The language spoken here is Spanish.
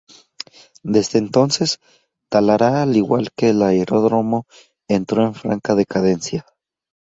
Desde entonces, Talara al igual que el aeródromo entró en franca decadencia.